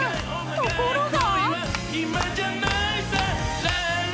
ところが！